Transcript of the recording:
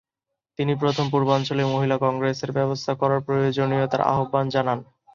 তিনি প্রথম পূর্বাঞ্চলীয় মহিলা কংগ্রেসের ব্যবস্থা করার প্রয়োজনীয়তার আহ্বান জানান।